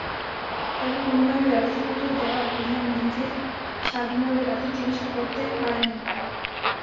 তবে কোনোভাবেই ব্যবস্থাপত্র দেওয়া কিংবা নিজে স্বাধীনভাবে দাঁতের চিকিৎসা করতে পারেন না।